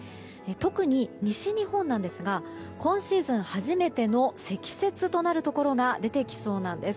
特に、西日本なんですが今シーズン初めての積雪となるところが出てきそうなんです。